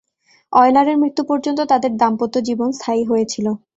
অয়লারের মৃত্যু পর্যন্ত তাদের দাম্পত্য জীবন স্থায়ী হয়েছিল।